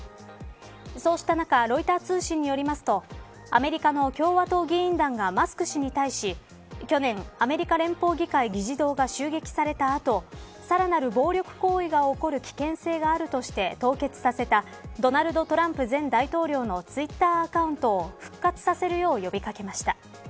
そうした中ロイター通信によりますとアメリカの共和党議員団がマスク氏に対し去年、アメリカ連邦議会議事堂が襲撃されたあとさらなる暴力行為が起こる危険性があるとして凍結させたドナルド・トランプ前大統領のツイッターアカウントを復活させるよう呼び掛けました。